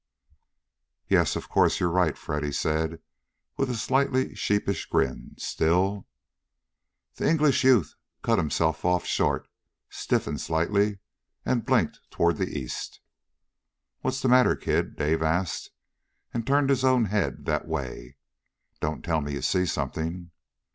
"Yes, of course, you're right," Freddy said with a slightly sheepish grin. "Still " The English youth cut himself off short, stiffened slightly, and blinked toward the east. "What's the matter, kid?" Dave asked, and turned his own head that way. "Don't tell me you see something?"